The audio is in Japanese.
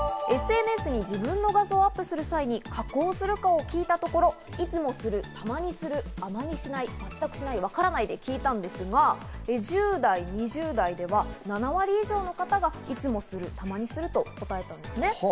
ＳＮＳに自分の画像をアップする際に加工するかを聞いたところ、いつもする、たまにする、あまりしない、全くしない、分からないで聞いたんですが、１０代、２０代では７割以上の方がいつもする、たまにすると答えたんですね。